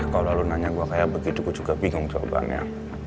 kalau lo nanya gue kayak begitu gue juga bingung cobanya